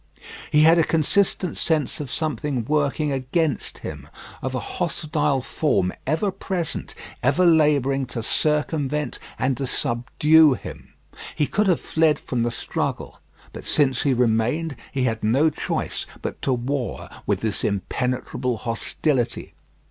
He had a constant sense of something working against him, of a hostile form ever present, ever labouring to circumvent and to subdue him. He could have fled from the struggle; but since he remained, he had no choice but to war with this impenetrable hostility.